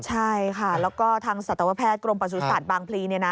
ใช่ค่ะแล้วก็ทางสัตวแพทย์กรมประสุทธิ์บางพลีเนี่ยนะ